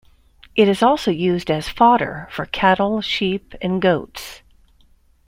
It is also used as fodder for cattle, sheep and goats.